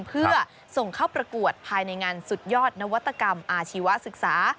เพื่อส่งเข้าประกวดภายในงานสุดยอดนวัตกรรมอาชีวศึกษา